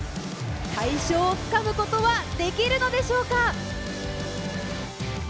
大賞をつかむことはできるのでしょうか。